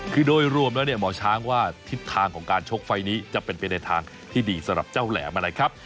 คือโดยรวมแล้วเนี่ยหมอช้างว่าทิศทางของการชกไฟล์นี้จะเป็นไปในทางที่ดีสำหรับเจ้าแหลมนะครับ